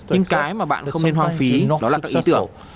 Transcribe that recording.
nhưng cái mà bạn không nên hoang phí nó là các ý tưởng